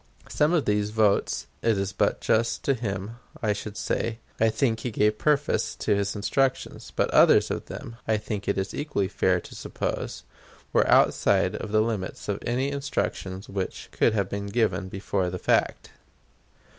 Some of these votes, it is but just to him I should say, I think he gave perforce of his instructions; but others of them, I think it is equally fair to suppose, were outside of the limits of any instructions which could have been given before the fact.